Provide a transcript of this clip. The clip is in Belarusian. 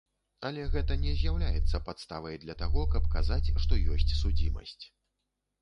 Але гэта не з'яўляецца падставай для таго, каб казаць, што ёсць судзімасць.